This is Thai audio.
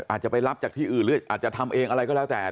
อาจจะไปรับจากที่อื่นหรืออาจจะทำเองอะไรก็แล้วแต่